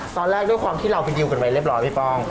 ด้วยความที่เราไปดิวกันไว้เรียบร้อยพี่ป้อง